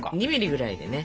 ２ｍｍぐらいでね。